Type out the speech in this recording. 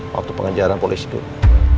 waktu pengejaran polisi dulu